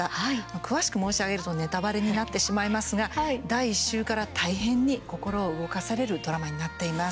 詳しく申し上げるとネタバレになってしまいますが第１週から大変に心を動かされるドラマになっています。